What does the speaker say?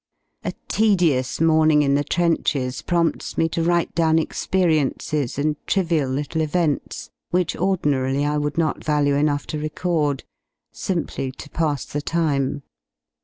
A tedious morning in the trenches prompts me to write ^1 J '/yvi down experiences and trivial little events which ordinarily 1 I would not value enough to record, simply to pass the time.